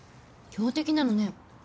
強敵なのね。